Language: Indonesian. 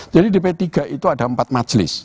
jadi di p tiga itu ada empat majelis